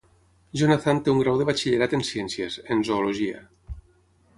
Jonathan té un grau de Batxillerat en ciències, en Zoologia.